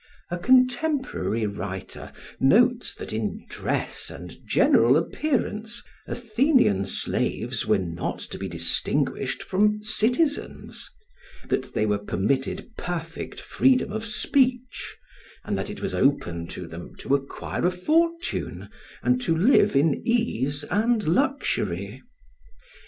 A contemporary writer notes that in dress and general appearance Athenian slaves were not to be distinguished from citizens; that they were permitted perfect freedom of speech; and that it was open to them to acquire a fortune and to live in ease and luxury.